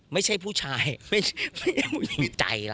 ไม่ใช่ผู้ชายไม่ใช่ผู้หญิง